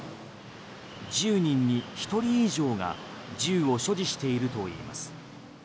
１０人に１人以上が銃を所持しているといいます。